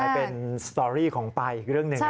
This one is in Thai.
เป็นสตอรี่ของปลาอีกเรื่องหนึ่ง